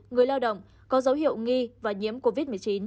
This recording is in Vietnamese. người lao động có dấu hiệu nghi và nhiễm covid một mươi chín